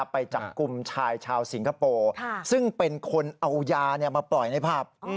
ไปจับกลุ่มชายชาวสิงคโปร์ซึ่งเป็นคนเอายามาปล่อยในผับ